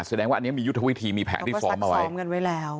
แสดงว่าอันเนี้ยมียุทธวิธีมีแผนที่ฟอร์มเอาไว้แล้วก็สักฟอร์มกันไว้แล้ว